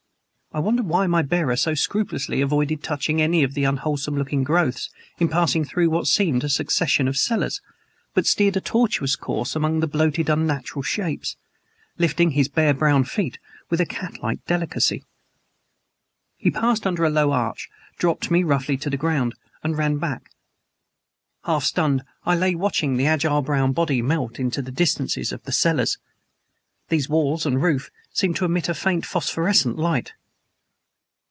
I wondered why my bearer so scrupulously avoided touching any of the unwholesome looking growths in passing through what seemed a succession of cellars, but steered a tortuous course among the bloated, unnatural shapes, lifting his bare brown feet with a catlike delicacy. He passed under a low arch, dropped me roughly to the ground and ran back. Half stunned, I lay watching the agile brown body melt into the distances of the cellars. Their walls and roof seemed to emit a faint, phosphorescent light.